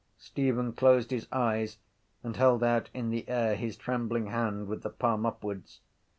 Stephen closed his eyes and held out in the air his trembling hand with the palm upwards.